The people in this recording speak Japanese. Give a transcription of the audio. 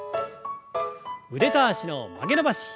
腕と脚の曲げ伸ばし。